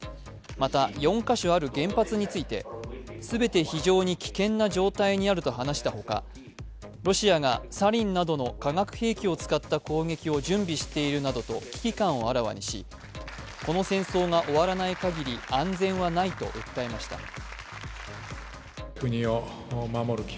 また、４カ所ある原発について、全て非常に危険な状態にあると話したほかロシアがサリンなどの化学兵器を使った攻撃を準備しているなどと危機感をあらわにし、この戦争が終わらない限り安全はないと訴えました。